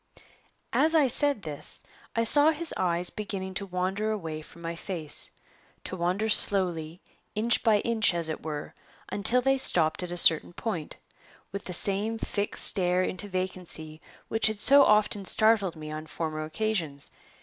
As I said this I saw his eyes beginning to wander away from my face to wander slowly, inch by inch, as it were, until they stopped at a certain point, with the same fixed stare into vacancy which had so often startled me on former occasions.